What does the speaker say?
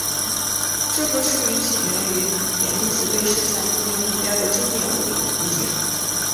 这个术语起源于点粒子被射向固体目标的经典物理图景。